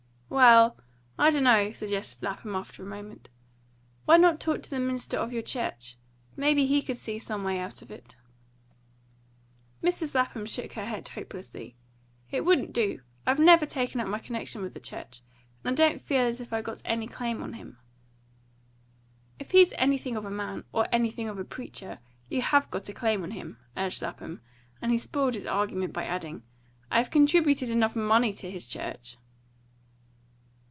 "Well, I dunno," suggested Lapham, after a moment; "why not talk to the minister of your church? May be he could see some way out of it." Mrs. Lapham shook her head hopelessly. "It wouldn't do. I've never taken up my connection with the church, and I don't feel as if I'd got any claim on him." "If he's anything of a man, or anything of a preacher, you HAVE got a claim on him," urged Lapham; and he spoiled his argument by adding, "I've contributed enough MONEY to his church."